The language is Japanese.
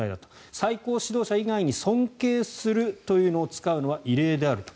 最高指導者以外に「尊敬する」というのを使うのは異例であると。